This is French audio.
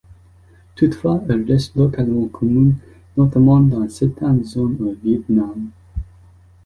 Toutefois elle reste localement commune notamment dans certaines zones au Viêt Nam.